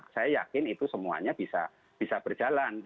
saya yakin itu semuanya bisa berjalan